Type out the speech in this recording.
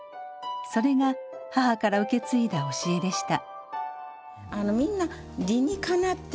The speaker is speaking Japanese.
それが母から受け継いだ教えでした。